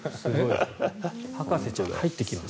博士ちゃんが入ってきます。